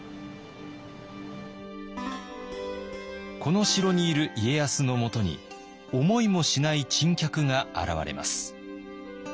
この城にいる家康のもとに思いもしない珍客が現れます。